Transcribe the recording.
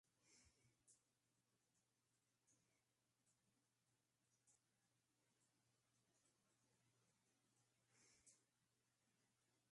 Se le considera continuador de la obra del Rector Ignacio Ellacuría.